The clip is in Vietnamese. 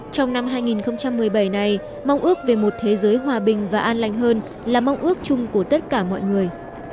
trong năm hai nghìn một mươi bảy này mong ước về một thế giới hòa bình và an lành hơn là mong ước chung của tất cả mọi người